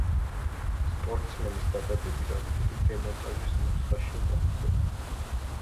სპორტსმენის დაბადების ადგილი დემონტაჟის ნუსხაში მოხვდა.